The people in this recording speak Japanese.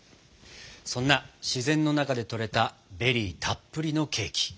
そんな自然の中で採れたベリーたっぷりのケーキ。